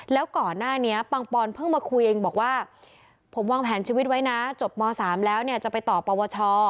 แล้วก่อนหน้านี้ปังปอนเพิ่งมาคุยเองบอกว่าผมวางแผนชีวิตไว้นะจบม๓แล้วเนี่ยจะไปต่อปวช